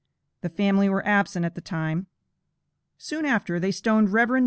The family were absent at the time. Soon after, they stoned Rev. Mr.